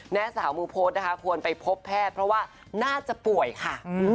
แม่สาวมือโพสต์นะคะควรไปพบแพทย์เพราะว่าน่าจะป่วยค่ะ